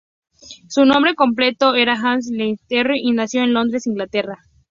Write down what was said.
Su nombre completo era Hazel Neilson-Terry, y nació en Londres, Inglaterra.